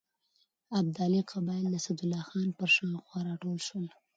ابدالي قبایل د اسدالله خان پر شاوخوا راټول شول.